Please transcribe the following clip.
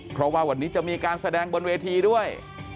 เพราะว่าวันนี้จะมีการแสดงบนเวทีด้วย